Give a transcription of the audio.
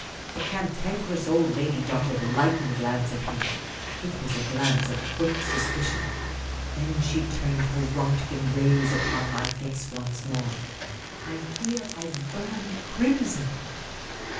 The Cantankerous Old Lady darted a lightning glance at him. It was a glance of quick suspicion. Then she turned her Rontgen rays upon my face once more. I fear I burned crimson.